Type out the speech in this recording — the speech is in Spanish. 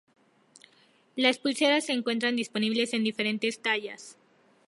Las pulseras se encuentran disponibles en diferentes tallas.